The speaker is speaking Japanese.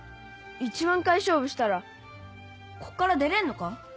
１万回勝負したらこっから出れんのか？